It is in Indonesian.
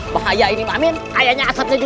bahwa tidak ada sisa ku